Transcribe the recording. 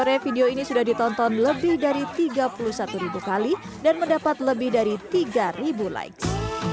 ketika itu berita terkini sudah ditonton lebih dari tiga puluh satu kali dan mendapat lebih dari tiga likes